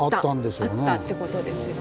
あったってことですよね。